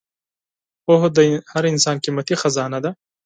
پوهه د هر انسان قیمتي خزانه ده.